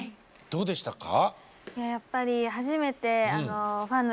どうでしたか？